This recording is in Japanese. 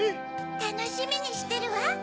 たのしみにしてるわ！